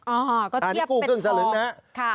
อันนี้กู้ครึ่งสลึงนะครับ